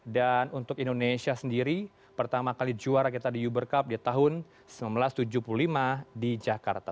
dan untuk indonesia sendiri pertama kali juara kita di uber cup di tahun seribu sembilan ratus tujuh puluh lima di jakarta